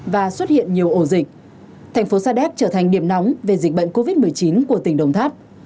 và xuất hiện nhiều ổ dịch thành phố sa đéc trở thành điểm nóng về dịch bệnh covid một mươi chín của tỉnh đồng tháp